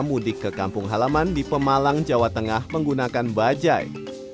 mudik ke kampung halaman di pemalang jawa tengah menggunakan bajai